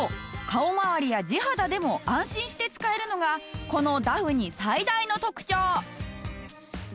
顔まわりや地肌でも安心して使えるのがこのダフニ最大の特徴。